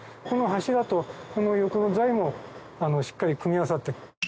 この柱とこの横の材もしっかり組み合わさって。